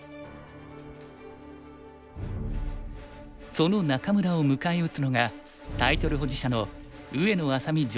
その仲邑を迎え撃つのがタイトル保持者の上野愛咲美女流棋聖。